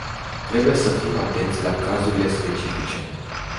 Trebuie să fim atenți la cazurile specifice.